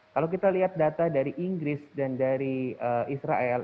kalau kita lihat data dari inggris dan dari israel